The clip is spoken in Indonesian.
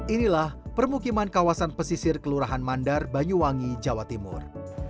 inilah permukiman kawasan pesisir kelurahan mandar banyuwangi jawa timur